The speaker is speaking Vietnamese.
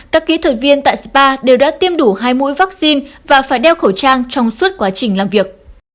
các kỹ thuật viên tại spa đều đã tiêm đủ hai mũi vaccine và phải đeo khẩu trang trong suốt quá trình làm việc